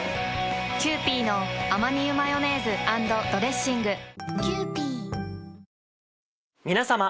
キユーピーのアマニ油マヨネーズ＆ドレッシング皆さま。